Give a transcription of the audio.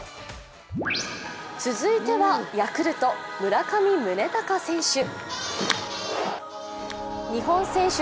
続いてはヤクルト・村上宗隆選手。